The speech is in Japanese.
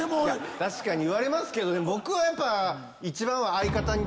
確かに言われますけど僕はやっぱ一番は。